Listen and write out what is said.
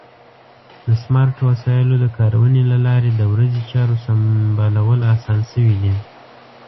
د سمارټ وسایلو د کارونې له لارې د ورځې چارو سمبالول اسان شوي دي.